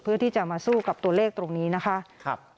เพื่อที่จะมาสู้กับตัวเลขตรงนี้นะคะ